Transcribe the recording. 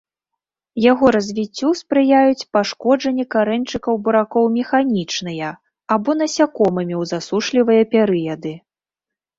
Яго развіццю спрыяюць пашкоджанні карэньчыкаў буракоў механічныя або насякомымі ў засушлівыя перыяды.